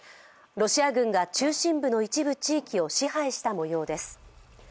ロシア軍が中心部の一部地域を支配した模様です。